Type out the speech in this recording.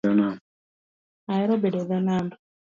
Ahero bedo e dhoo nam